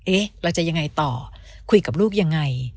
เราจะยังไงต่อคุยกับลูกยังไง